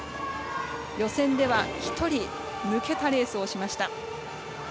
予選では、１人抜けたレースをしました。